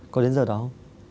có đến giờ đó không